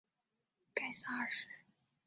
盖萨二世。